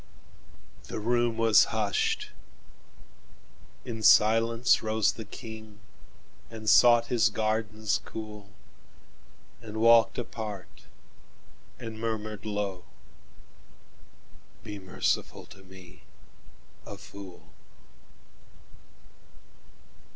The room was hushed; in silence roseThe King, and sought his gardens cool, And walked apart, and murmured low,"Be merciful to me, a fool!"